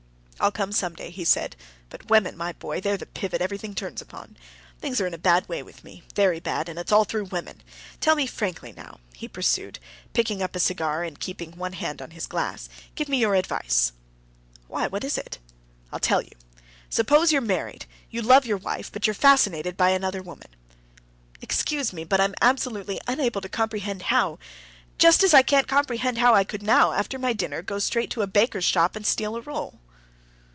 "I'll come some day," he said. "But women, my boy, they're the pivot everything turns upon. Things are in a bad way with me, very bad. And it's all through women. Tell me frankly now," he pursued, picking up a cigar and keeping one hand on his glass; "give me your advice." "Why, what is it?" "I'll tell you. Suppose you're married, you love your wife, but you're fascinated by another woman...." "Excuse me, but I'm absolutely unable to comprehend how ... just as I can't comprehend how I could now, after my dinner, go straight to a baker's shop and steal a roll."